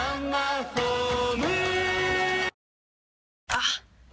あっ！